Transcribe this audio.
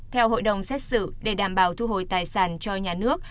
theo hội đồng xét xử để đảm bảo thu hồi tài sản cho nhà nước